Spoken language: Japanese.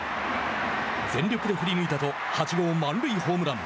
全力で振り抜いたと８号満塁ホームラン。